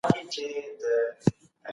ځينې دودونه تر قانون قوي دي.